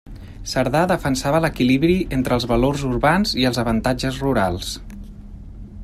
Cerdà defensava l'equilibri entre els valors urbans i els avantatges rurals.